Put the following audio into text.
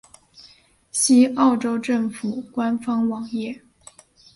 西澳州政府官方网页